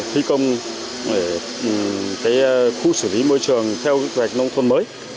thi công khu xử lý môi trường theo kế hoạch nông thôn mới